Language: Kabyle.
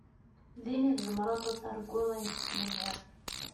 Din i tzemreḍ ad targuḍ ayen tettmenniḍ.